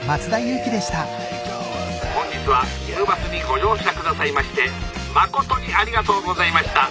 「本日はひむバスにご乗車下さいましてまことにありがとうございました。